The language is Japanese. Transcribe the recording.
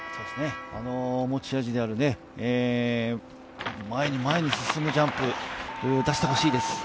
持ち味である前に前に進むジャンプ、出してほしいです。